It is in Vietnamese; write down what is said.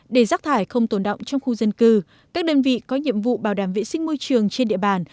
để rác thải không tồn động trong khu dân cư các đơn vị có nhiệm vụ bảo đảm vệ sinh môi trường trên địa bàn